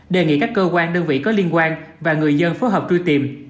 đề nghị các cơ quan đơn vị có liên quan và người dân phối hợp truy tìm